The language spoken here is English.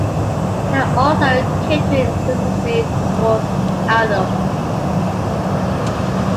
They're also catering exclusively towards adults.